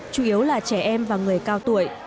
chủ yếu là trẻ em và người cao tuổi